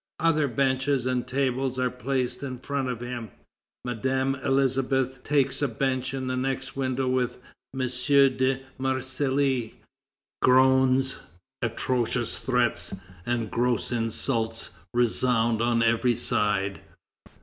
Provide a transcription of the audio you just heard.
Other benches and a table are placed in front of him. Madame Elisabeth takes a bench in the next window with M. de Marsilly. The hall is full. Groans, atrocious threats, and gross insults resound on every side.